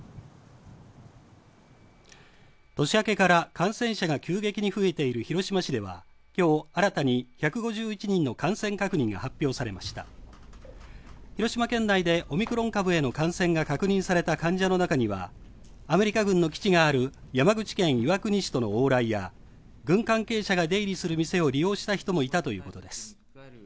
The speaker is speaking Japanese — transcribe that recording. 年明けから感染者が急激に増えている広島市ではきょう新たに１５１人の感染確認が発表されました広島県内でオミクロン株への感染が確認された患者の中にはアメリカ軍の基地がある山口県岩国市との往来や軍関係者が出入りする店を利用した人もいたということです